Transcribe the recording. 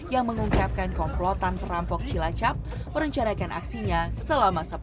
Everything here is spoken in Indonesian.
yang mengungkapkan komplotan perampok cilacap merencanakan aksinya selama sepuluh